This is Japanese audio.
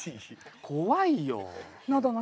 怖いよ。